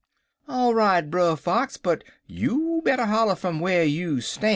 "'All right, Brer Fox, but you better holler fum whar you stan'.